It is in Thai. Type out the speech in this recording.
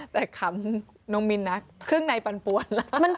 แต่คำน้องมินนักเครื่องในปั่นปวดละ